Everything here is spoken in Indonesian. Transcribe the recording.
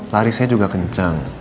lari saya juga kenceng